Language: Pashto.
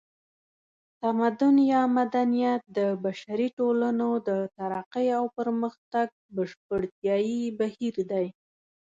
تمدن یا مدنیت د بشري ټولنو د ترقۍ او پرمختګ بشپړتیایي بهیر دی